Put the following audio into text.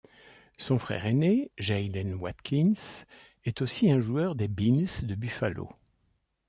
Son frère aîné, Jaylen Watkins, est aussi un joueur des Bills de Buffalo.